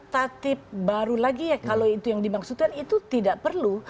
tatib baru lagi kalau itu yang dimaksudkan itu tidak perlu